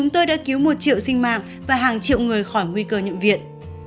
một triệu sinh mạng và hàng triệu người khỏi nguy cơ nhận viện